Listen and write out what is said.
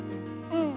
うん。